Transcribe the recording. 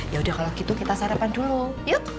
yaudah kalau gitu kita sarapan dulu yuk